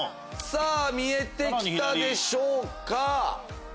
さぁ見えて来たでしょうか？